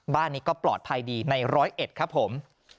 บ้านนี้ก็ปลอดภัยดีในร้อยเอ็ดครับผม